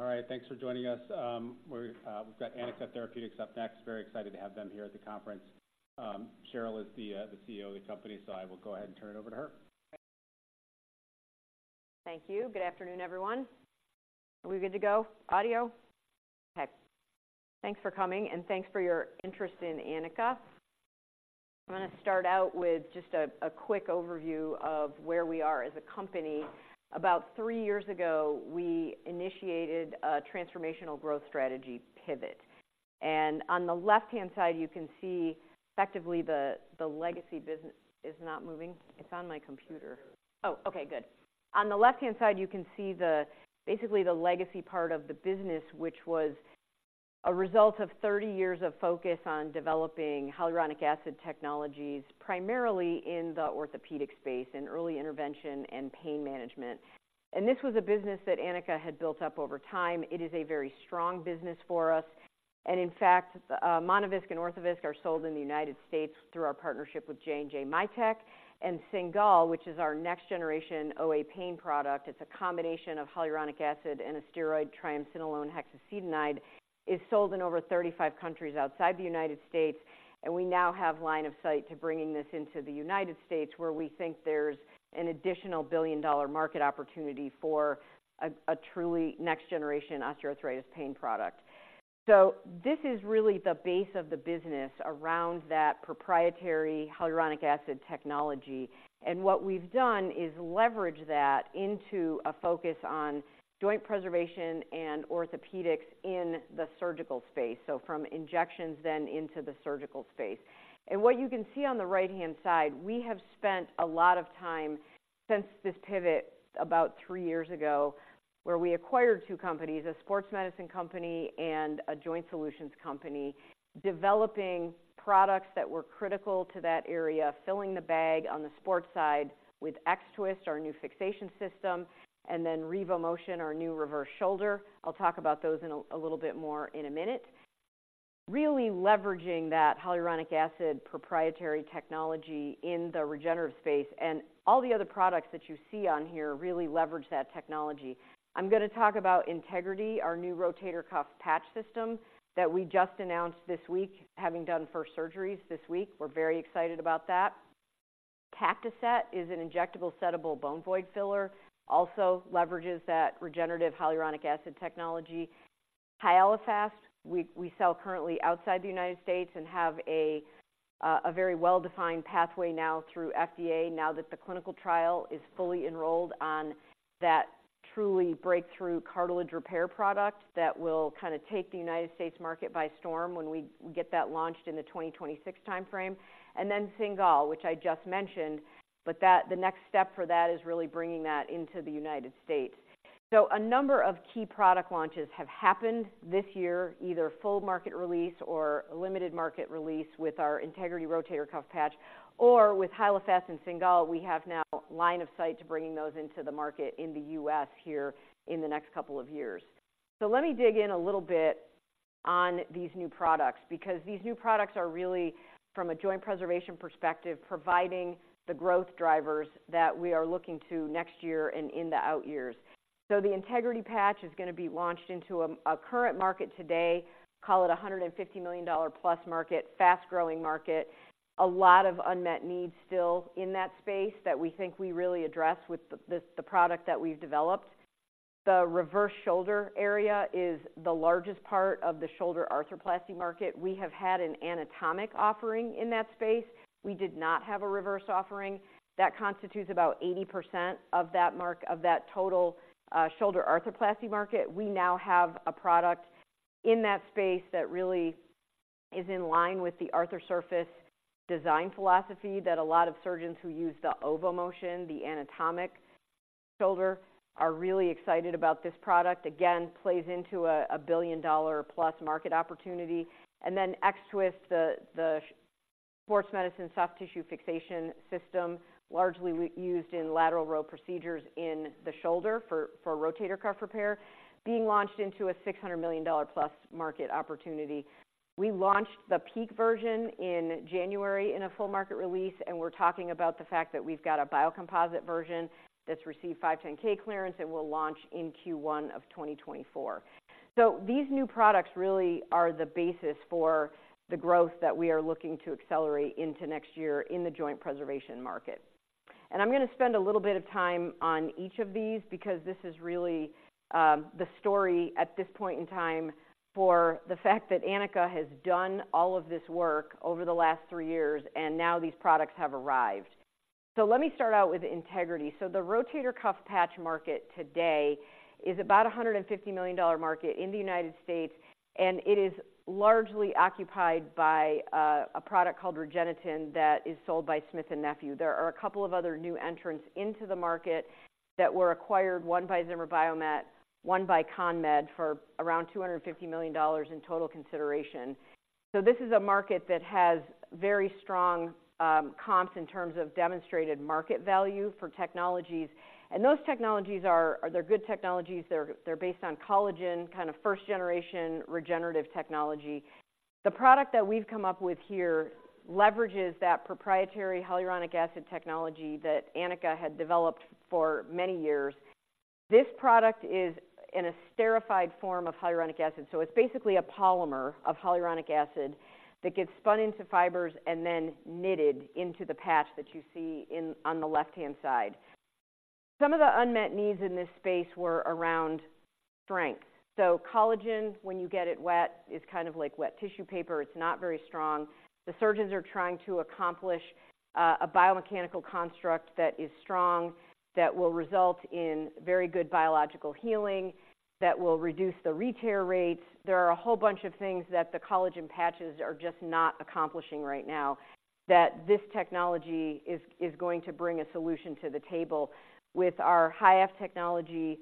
All right, thanks for joining us. We've got Anika Therapeutics up next. Very excited to have them here at the conference. Cheryl is the CEO of the company, so I will go ahead and turn it over to her. Thank you. Good afternoon, everyone. Are we good to go? Audio? Okay. Thanks for coming, and thanks for your interest in Anika. I'm gonna start out with just a, a quick overview of where we are as a company. About three years ago, we initiated a transformational growth strategy pivot, and on the left-hand side, you can see effectively the, the legacy business. It's not moving? It's on my computer. Oh, okay, good. On the left-hand side, you can see the, basically, the legacy part of the business, which was a result of 30 years of focus on developing hyaluronic acid technologies, primarily in the orthopedic space, in early intervention and pain management. This was a business that Anika had built up over time. It is a very strong business for us, and in fact, Monovisc and Orthovisc are sold in the United States through our partnership with J&J Mitek. And Cingal, which is our next generation OA pain product, it's a combination of hyaluronic acid and a steroid, triamcinolone hexacetonide, is sold in over 35 countries outside the United States, and we now have line of sight to bringing this into the United States, where we think there's an additional billion-dollar market opportunity for a, a truly next-generation osteoarthritis pain product. So this is really the base of the business around that proprietary hyaluronic acid technology. And what we've done is leverage that into a focus on joint preservation and orthopedics in the surgical space, so from injections then into the surgical space. What you can see on the right-hand side, we have spent a lot of time since this pivot about three years ago, where we acquired two companies, a sports medicine company and a joint solutions company, developing products that were critical to that area, filling the bag on the sports side with X-Twist, our new fixation system, and then RevoMotion, our new reverse shoulder. I'll talk about those in a, a little bit more in a minute. Really leveraging that hyaluronic acid proprietary technology in the regenerative space and all the other products that you see on here really leverage that technology. I'm gonna talk about Integrity, our new rotator cuff patch system that we just announced this week, having done first surgeries this week. We're very excited about that. Tactoset is an injectable settable bone void filler, also leverages that regenerative hyaluronic acid technology. Hyalofast, we sell currently outside the United States and have a very well-defined pathway now through FDA, now that the clinical trial is fully enrolled on that truly breakthrough cartilage repair product that will kinda take the United States market by storm when we get that launched in the 2026 timeframe. And then Cingal, which I just mentioned, but that, the next step for that is really bringing that into the United States. So a number of key product launches have happened this year, either full market release or limited market release with our Integrity rotator cuff patch or with Hyalofast and Cingal. We have now line of sight to bringing those into the market in the U.S. here in the next couple of years. So let me dig in a little bit on these new products, because these new products are really, from a joint preservation perspective, providing the growth drivers that we are looking to next year and in the out years. So the Integrity patch is gonna be launched into a current market today, call it a $150 million plus market, fast-growing market. A lot of unmet needs still in that space that we think we really address with the product that we've developed. The reverse shoulder area is the largest part of the shoulder arthroplasty market. We have had an anatomic offering in that space. We did not have a reverse offering. That constitutes about 80% of that market of that total shoulder arthroplasty market. We now have a product in that space that really is in line with the Arthrosurface design philosophy, that a lot of surgeons who use the RevoMotion, the anatomic shoulder, are really excited about this product. Again, plays into a $1 billion+ market opportunity. And then X-Twist, the sports medicine soft tissue fixation system, largely used in lateral row procedures in the shoulder for rotator cuff repair, being launched into a $600 million+ market opportunity. We launched the PEEK version in January in a full market release, and we're talking about the fact that we've got a biocomposite version that's received 510(k) clearance and will launch in Q1 of 2024. So these new products really are the basis for the growth that we are looking to accelerate into next year in the joint preservation market. I'm gonna spend a little bit of time on each of these because this is really, the story at this point in time for the fact that Anika has done all of this work over the last three years, and now these products have arrived. So let me start out with Integrity. So the rotator cuff patch market today is about a $150 million market in the United States, and it is largely occupied by a product called REGENETEN, that is sold by Smith and Nephew. There are a couple of other new entrants into the market that were acquired, one by Zimmer Biomet, one by ConMed, for around $250 million in total consideration. So this is a market that has very strong, comps in terms of demonstrated market value for technologies. And those technologies are. They're good technologies. They're based on collagen, kind of first generation regenerative technology. The product that we've come up with here leverages that proprietary hyaluronic acid technology that Anika had developed for many years. This product is an esterified form of hyaluronic acid, so it's basically a polymer of hyaluronic acid that gets spun into fibers and then knitted into the patch that you see in, on the left-hand side. Some of the unmet needs in this space were around strength. So collagen, when you get it wet, is kind of like wet tissue paper. It's not very strong. The surgeons are trying to accomplish a biomechanical construct that is strong, that will result in very good biological healing, that will reduce the re-tear rates. There are a whole bunch of things that the collagen patches are just not accomplishing right now, that this technology is, is going to bring a solution to the table with our HYAFF technology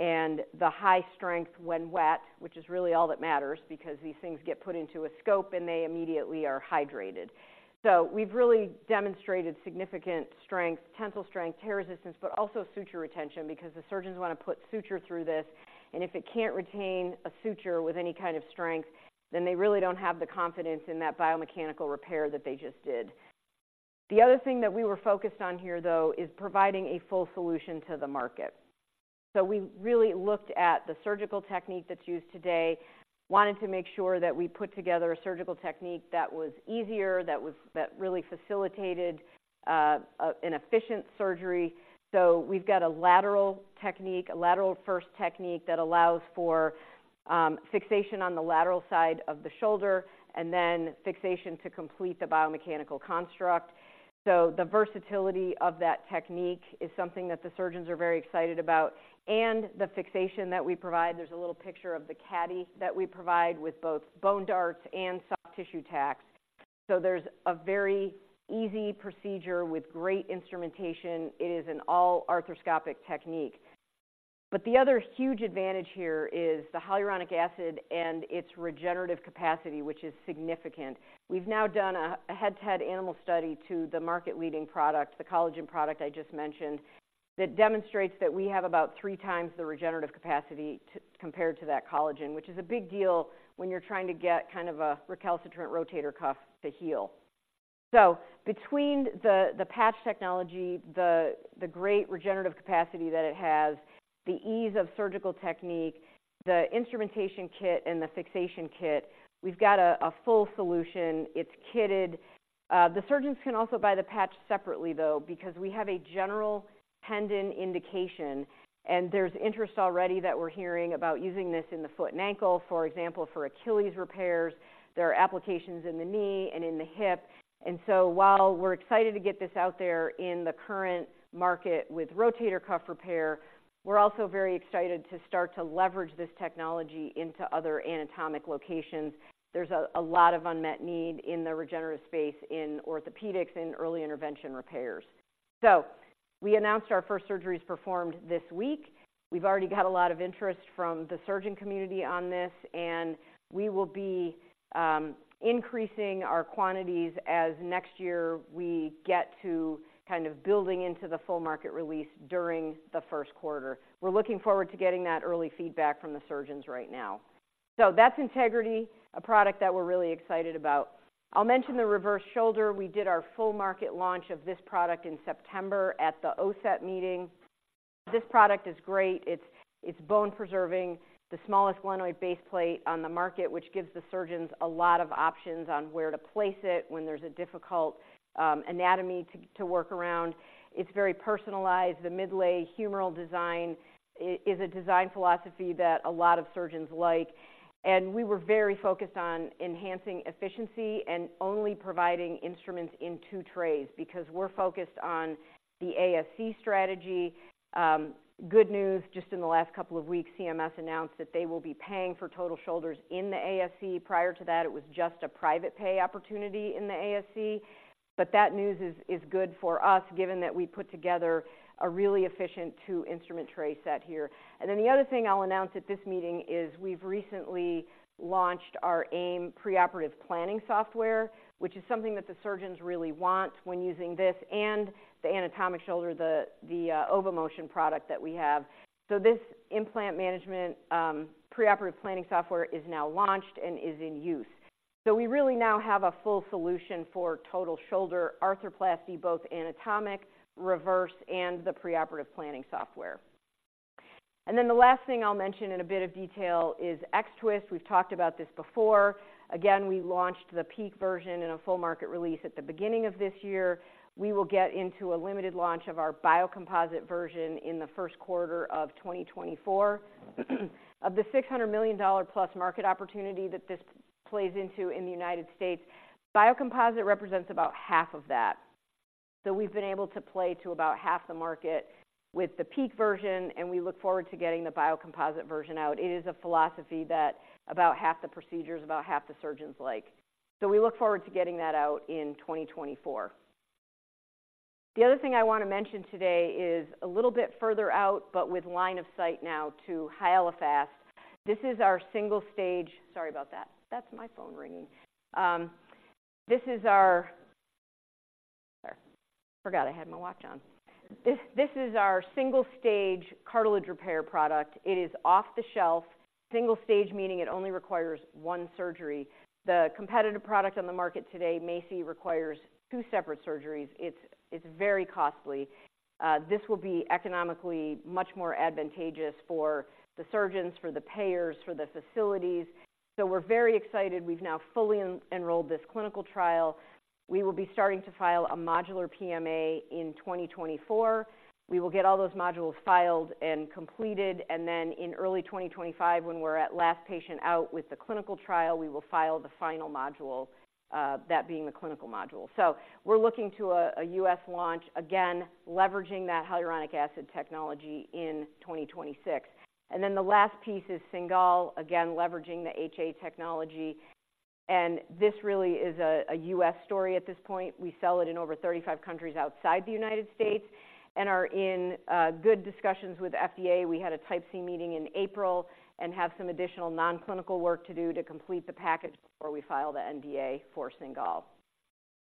and the high strength when wet, which is really all that matters, because these things get put into a scope and they immediately are hydrated. So we've really demonstrated significant strength, tensile strength, tear resistance, but also suture retention, because the surgeons wanna put suture through this, and if it can't retain a suture with any kind of strength, then they really don't have the confidence in that biomechanical repair that they just did. The other thing that we were focused on here, though, is providing a full solution to the market. So we really looked at the surgical technique that's used today, wanted to make sure that we put together a surgical technique that was easier, that really facilitated an efficient surgery. So we've got a lateral technique, a lateral first technique, that allows for fixation on the lateral side of the shoulder and then fixation to complete the biomechanical construct. So the versatility of that technique is something that the surgeons are very excited about and the fixation that we provide. There's a little picture of the caddy that we provide with both bone darts and soft tissue tacks. So there's a very easy procedure with great instrumentation. It is an all-arthroscopic technique. But the other huge advantage here is the Hyaluronic acid and its regenerative capacity, which is significant. We've now done a head-to-head animal study to the market-leading product, the collagen product I just mentioned, that demonstrates that we have about three times the regenerative capacity compared to that collagen, which is a big deal when you're trying to get kind of a recalcitrant rotator cuff to heal. So between the patch technology, the great regenerative capacity that it has, the ease of surgical technique, the instrumentation kit, and the fixation kit, we've got a full solution. It's kitted. The surgeons can also buy the patch separately, though, because we have a general tendon indication, and there's interest already that we're hearing about using this in the foot and ankle, for example, for Achilles repairs. There are applications in the knee and in the hip. And so while we're excited to get this out there in the current market with rotator cuff repair, we're also very excited to start to leverage this technology into other anatomic locations. There's a lot of unmet need in the regenerative space, in orthopedics, in early intervention repairs. So we announced our first surgeries performed this week. We've already got a lot of interest from the surgeon community on this, and we will be increasing our quantities as next year we get to kind of building into the full market release during the first quarter. We're looking forward to getting that early feedback from the surgeons right now. So that's Integrity, a product that we're really excited about. I'll mention the Reverse Shoulder. We did our full market launch of this product in September at the OSAT meeting. This product is great. It's bone preserving, the smallest glenoid base plate on the market, which gives the surgeons a lot of options on where to place it when there's a difficult anatomy to work around. It's very personalized. The Midlay humeral design is a design philosophy that a lot of surgeons like, and we were very focused on enhancing efficiency and only providing instruments in two trays, because we're focused on the ASC strategy. Good news, just in the last couple of weeks, CMS announced that they will be paying for total shoulders in the ASC. Prior to that, it was just a private pay opportunity in the ASC, but that news is good for us, given that we put together a really efficient two-instrument tray set here. And then the other thing I'll announce at this meeting is we've recently launched our AIM preoperative planning software, which is something that the surgeons really want when using this and the anatomic shoulder, the OVOMotion product that we have. So this implant management preoperative planning software is now launched and is in use. So we really now have a full solution for total shoulder arthroplasty, both anatomic, reverse, and the preoperative planning software. And then the last thing I'll mention in a bit of detail is X-Twist. We've talked about this before. Again, we launched the PEEK version in a full market release at the beginning of this year. We will get into a limited launch of our biocomposite version in the first quarter of 2024. Of the $600 million+ market opportunity that this plays into in the United States, Biocomposite represents about half of that. So we've been able to play to about half the market with the PEEK version, and we look forward to getting the Biocomposite version out. It is a philosophy that about half the procedures, about half the surgeons like. So we look forward to getting that out in 2024. The other thing I wanna mention today is a little bit further out, but with line of sight now to Hyalofast. This is our single-stage. Sorry about that. That's my phone ringing. Forgot I had my watch on. This is our single stage cartilage repair product. It is off the shelf. Single stage, meaning it only requires one surgery. The competitive product on the market today, MACI, requires two separate surgeries. It's, it's very costly. This will be economically much more advantageous for the surgeons, for the payers, for the facilities. So we're very excited. We've now fully enrolled this clinical trial. We will be starting to file a modular PMA in 2024. We will get all those modules filed and completed, and then in early 2025, when we're at last patient out with the clinical trial, we will file the final module, that being the clinical module. So we're looking to a U.S. launch, again, leveraging that hyaluronic acid technology in 2026. And then the last piece is Cingal, again, leveraging the HA technology. And this really is a U.S. story at this point. We sell it in over 35 countries outside the United States and are in good discussions with FDA. We had a Type C meeting in April and have some additional non-clinical work to do to complete the package before we file the NDA for Cingal.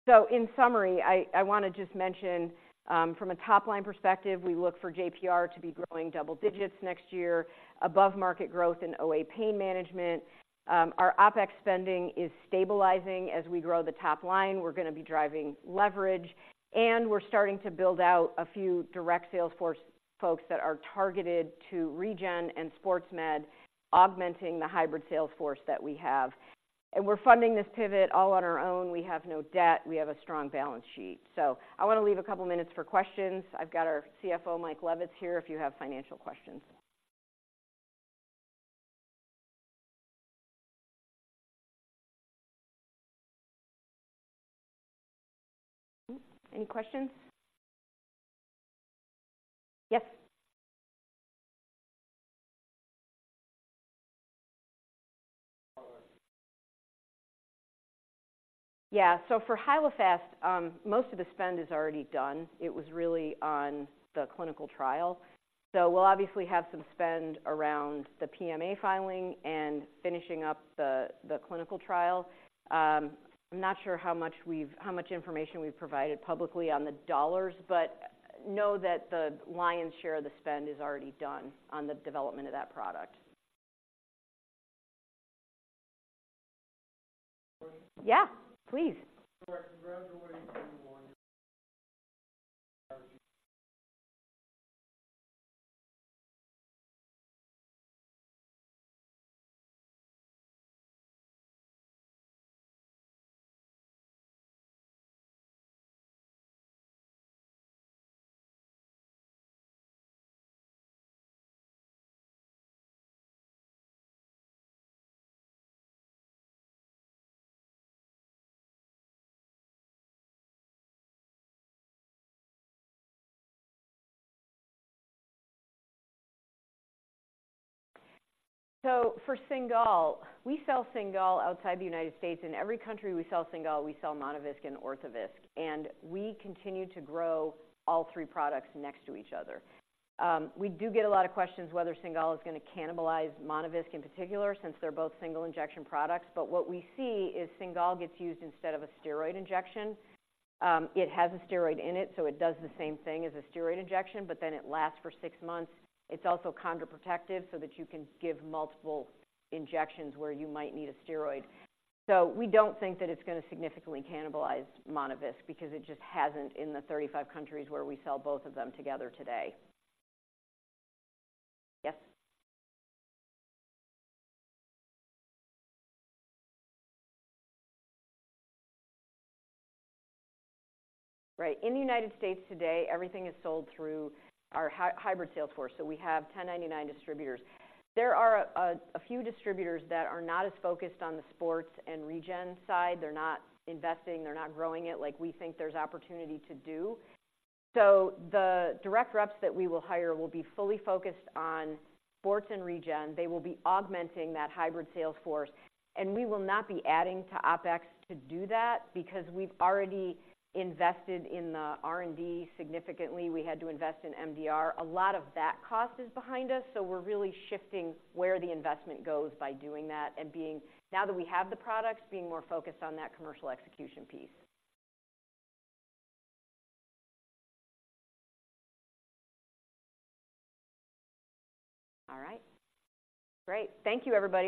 So in summary, I want to just mention, from a top-line perspective, we look for JPR to be growing double digits next year, above-market growth in OA pain management. Our OpEx spending is stabilizing. As we grow the top line, we're going to be driving leverage, and we're starting to build out a few direct sales force folks that are targeted to regen and sports med, augmenting the hybrid sales force that we have. And we're funding this pivot all on our own. We have no debt. We have a strong balance sheet. So I want to leave a couple minutes for questions. I've got our CFO, Mike Levitz, here, if you have financial questions. Any questions? Yes. Yeah, so for Hyalofast, most of the spend is already done. It was really on the clinical trial. So we'll obviously have some spend around the PMA filing and finishing up the clinical trial. I'm not sure how much information we've provided publicly on the dollars, but know that the lion's share of the spend is already done on the development of that product. Yeah, please. Correct. Around the way you want. So for Cingal, we sell Cingal outside the United States. In every country we sell Cingal, we sell Monovisc and Orthovisc, and we continue to grow all three products next to each other. We do get a lot of questions whether Cingal is going to cannibalize Monovisc, in particular, since they're both single injection products. But what we see is Cingal gets used instead of a steroid injection. It has a steroid in it, so it does the same thing as a steroid injection, but then it lasts for six months. It's also chondroprotective, so that you can give multiple injections where you might need a steroid. So we don't think that it's going to significantly cannibalize Monovisc because it just hasn't in the 35 countries where we sell both of them together today. Yes. Right. In the United States today, everything is sold through our hybrid sales force, so we have 1099 distributors. There are a few distributors that are not as focused on the sports and regen side. They're not investing, they're not growing it like we think there's opportunity to do. So the direct reps that we will hire will be fully focused on sports and regen. They will be augmenting that hybrid sales force, and we will not be adding to OpEx to do that because we've already invested in the R&D significantly. We had to invest in MDR. A lot of that cost is behind us, so we're really shifting where the investment goes by doing that and being, now that we have the products, being more focused on that commercial execution piece. All right. Great. Thank you, everybody.